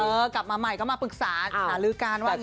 เออกลับมาใหม่ก็มาปรึกษาอาริการวันนี้